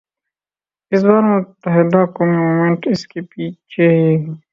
اس بار متحدہ قومی موومنٹ اس کے پیچھے ہے۔